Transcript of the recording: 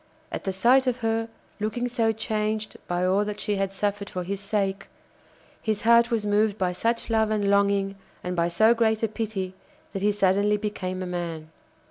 At the sight of her, looking so changed by all that she had suffered for his sake, his heart was moved by such love and longing and by so great a pity that he suddenly became a man.